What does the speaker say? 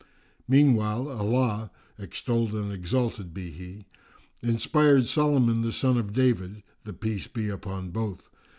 Meanwhile Allah (extolled and exalted be He!) inspired Solomon the son of David (the Peace be upon both!)